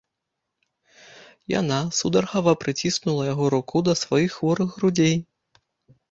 Яна сударгава прыціснула яго руку да сваіх хворых грудзей.